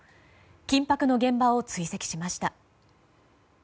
緊迫の現場を追跡しました。